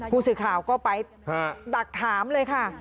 ผู้สื่อข่าวก็ไปดักถามเลยค่ะ